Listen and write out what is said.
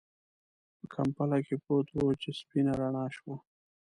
په کمپله کې پروت و چې سپينه رڼا شوه.